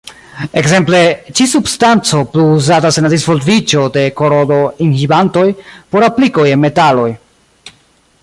Ekzemple, ĉi-substanco plu uzatas en la disvolviĝo de korodo-inhibantoj por aplikoj en metaloj.